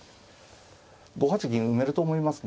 ５八銀埋めると思いますね。